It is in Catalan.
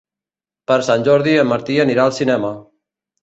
Per Sant Jordi en Martí anirà al cinema.